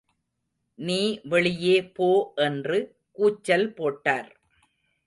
நீ வெளியே போ என்று கூச்சல் போட்டார்.